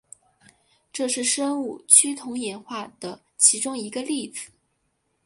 这是生物趋同演化的其中一个例子。